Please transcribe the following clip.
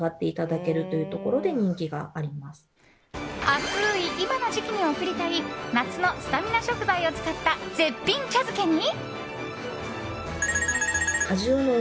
暑い今の時期に贈りたい夏のスタミナ食材を使った絶品茶漬けに。